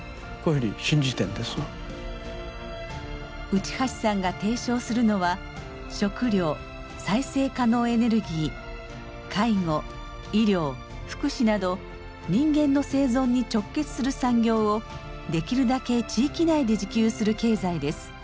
内橋さんが提唱するのは食糧再生可能エネルギー介護医療福祉など人間の生存に直結する産業をできるだけ地域内で自給する経済です。